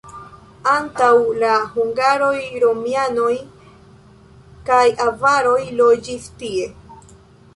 Antaŭ la hungaroj romianoj kaj avaroj loĝis tie.